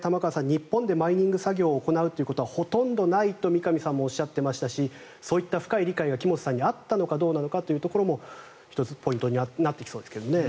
日本でマイニング作業を行うことはほとんどないと三上さんもおっしゃっていましたしそういった深い理解が木本さんにあったのかどうかのかというのも１つ、ポイントになってきそうですね。